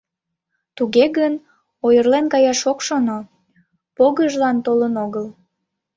Туге гын, ойырлен каяш ок шоно, погыжлан толын огыл.